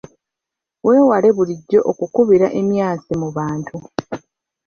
Weewale bulijjo okukubira emyasi mu bantu.